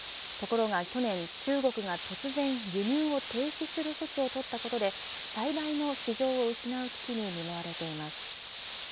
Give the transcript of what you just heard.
ところが去年、中国が突然輸入を停止する措置を取ったことで、最大の市場を失う危機に見舞われています。